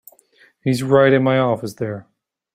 He's right in my office there.